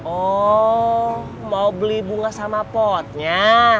oh mau beli bunga sama potnya